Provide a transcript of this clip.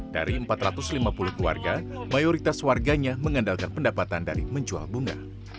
dari empat ratus lima puluh keluarga mayoritas warganya mengandalkan pendapatan dari menjual bunga